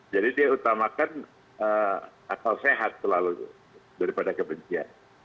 jadi dia utamakan akal sehat terlalu daripada kebencian